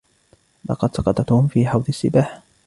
لقد سقط توم في حوض السباحة.